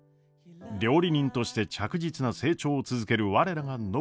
料理人として着実な成長を続ける我らが暢子。